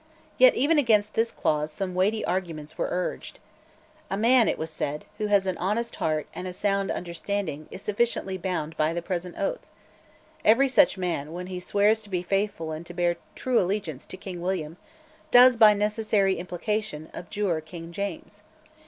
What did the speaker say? Yet even against this clause some weighty arguments were urged. A man, it was said, who has an honest heart and a sound understanding is sufficiently bound by the present oath. Every such man, when he swears to be faithful and to bear true allegiance to King William, does, by necessary implication, abjure King James.